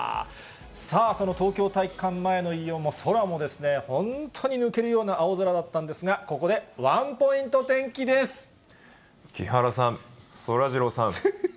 さあ、その東京体育館前の空も、本当に抜けるような青空だったんですが、木原さん、そらジローさん。